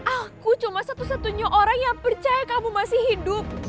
aku cuma satu satunya orang yang percaya kamu masih hidup